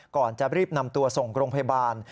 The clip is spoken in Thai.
ก่อนจะรีบนำตัวส่งโรงพยาบาล